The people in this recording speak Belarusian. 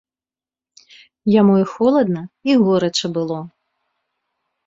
Яму і холадна і горача было.